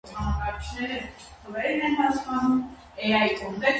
Մշակութային տուրիզմը ունի երկար պատմություն։